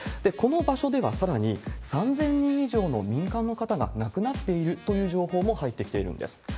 この場所ではさらに、３０００人以上の民間の方が亡くなっているという情報も入ってきているんです。